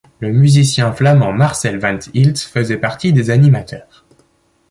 Le musicien flamand Marcel Vanthilt faisait partie des animateurs.